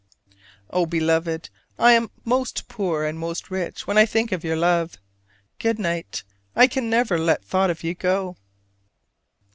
Oh, Beloved, I am most poor and most rich when I think of your love. Good night; I can never let thought of you go!